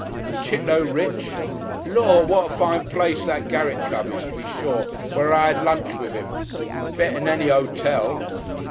And Chit'low rich! Lor'! what a fine place that Gerrik Club is, to be sure, where I 'ad lunch wiv' 'im! Better'n any 'otel.